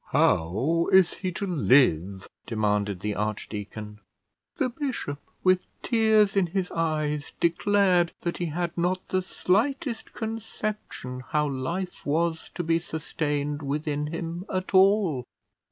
"How is he to live?" demanded the archdeacon. The bishop, with tears in his eyes, declared that he had not the slightest conception how life was to be sustained within him at all.